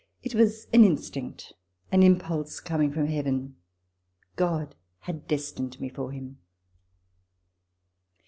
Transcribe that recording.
It was an instinct, an impulse coming from Heaven. God had destined me for him.